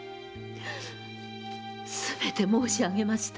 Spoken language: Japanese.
すべて申しあげました